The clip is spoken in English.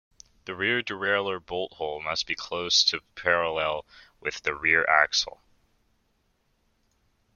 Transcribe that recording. The rear derailleur bolt hole must be close to parallel with the rear axle.